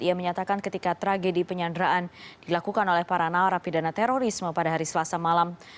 ia menyatakan ketika tragedi penyanderaan dilakukan oleh para narapidana terorisme pada hari selasa malam